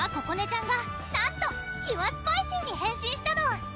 ちゃんがなんとキュアスパイシーに変身したの！